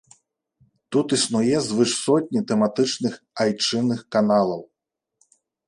Тут існуе звыш сотні тэматычных айчынных каналаў.